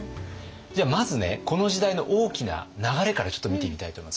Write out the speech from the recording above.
じゃあまずねこの時代の大きな流れからちょっと見てみたいと思います。